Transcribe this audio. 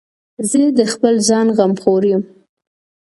زه د خپل ځان غمخور یم.